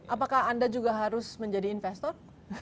apakah anda juga harus menjadi investor